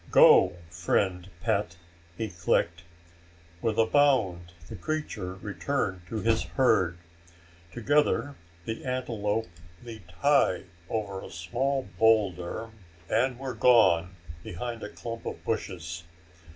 "Go, friend pet," he clicked. With a bound the creature returned to his herd. Together the antelope leaped high over a small boulder and were gone behind a clump of bushes.